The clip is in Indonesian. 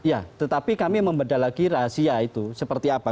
ya tetapi kami membeda lagi rahasia itu seperti apa